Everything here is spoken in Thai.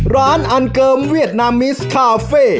ร้านอ่านเกิมเวียดโนมิสคาเฟ่